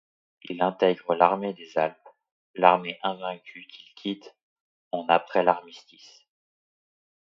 Il intègre l’Armée des Alpes, l’Armée Invaincue, qu'il quitte en après l’Armistice.